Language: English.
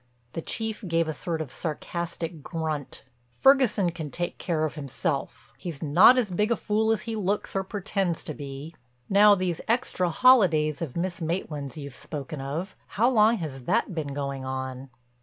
The Chief gave a sort of sarcastic grunt. "Ferguson can take care of himself. He's not as big a fool as he looks or pretends to be. Now these extra holidays of Miss Maitland's you've spoken of—how long has that been going on?"